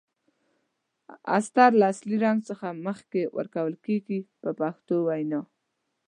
استر له اصلي رنګ څخه مخکې ورکول کیږي په پښتو وینا.